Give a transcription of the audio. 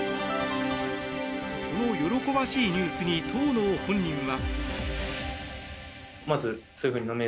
この喜ばしいニュースに当の本人は。